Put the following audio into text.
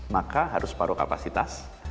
maka harus paruh kapasitas